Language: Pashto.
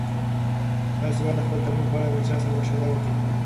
تاسي باید د خپل تمرین په اړه له چا سره مشوره وکړئ.